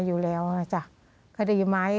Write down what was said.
อยู่แล้วนะจ๊ะคดีไหม